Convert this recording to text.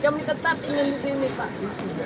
kami tetap ingin di sini pak